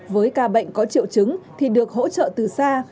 với ca bệnh có triệu chứng thì được hỗ trợ từ xa